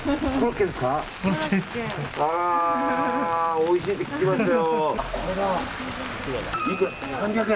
おいしいって聞きましたよ。